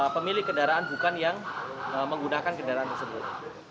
pemilih kedaraan bukan yang menggunakan kedaraan tersebut